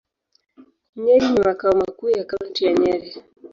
Nyeri ni makao makuu ya Kaunti ya Nyeri.